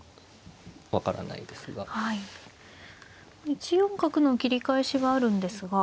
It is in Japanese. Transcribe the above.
１四角の切り返しがあるんですが。